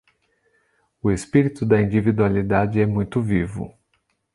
O espírito da individualidade é muito vivo.